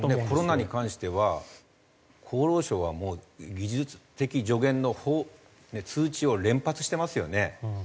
コロナに関しては厚労省は技術的助言の通知を連発してますよね。